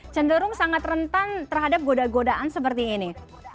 cenderung sangat rentan terhadap goda godaan seperti ini